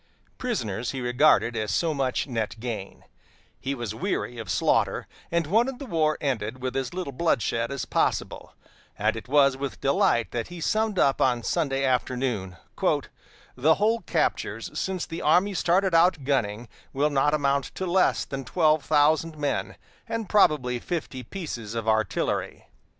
Prisoners he regarded as so much net gain: he was weary of slaughter, and wanted the war ended with as little bloodshed as possible; and it was with delight that he summed up on Sunday afternoon: "The whole captures since the army started out gunning will not amount to less than twelve thousand men, and probably fifty pieces of artillery."